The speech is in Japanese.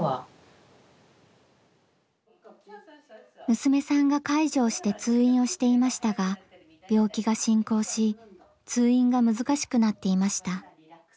娘さんが介助をして通院をしていましたが病気が進行し通院が難しくなっていました。